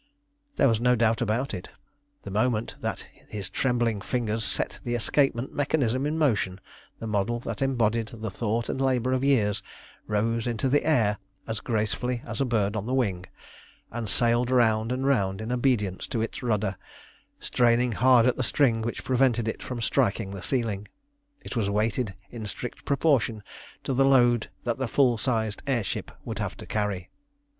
There was no doubt about it. The moment that his trembling fingers set the escapement mechanism in motion, the model that embodied the thought and labour of years rose into the air as gracefully as a bird on the wing, and sailed round and round in obedience to its rudder, straining hard at the string which prevented it from striking the ceiling. It was weighted in strict proportion to the load that the full sized air ship would have to carry.